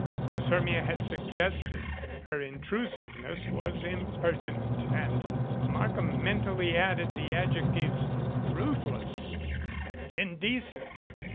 As Hermia had suggested, her intrusiveness was impertinent, and Markham mentally added the adjectives "ruthless" and "indecent."